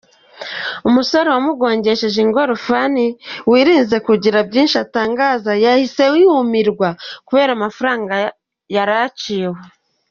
Umusore wamugongesheje ingorofani wirinze kugira byinshi atangaza, yahise yumirwa kubera amafaranga yari aciwe.